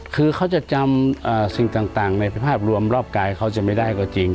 คือเขาจะจำสิ่งต่างในภาพรวมรอบกายเขาจะไม่ได้ก็จริง